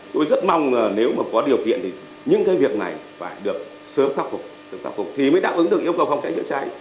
tôi rất mong nếu mà có điều kiện thì những cái việc này phải được sớm thắc phục sớm thắc phục thì mới đáp ứng được yêu cầu phòng cháy chữa cháy